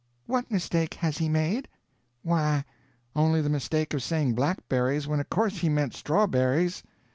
"What mistake has he made?" "Why, only the mistake of saying blackberries when of course he meant strawberries."